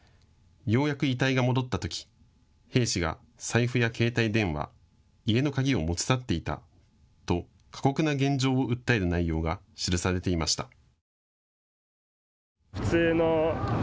ようやく遺体が戻ったとき兵士が財布や携帯電話、家の鍵を持ち去っていたと過酷な現状を訴える内容が記されていました。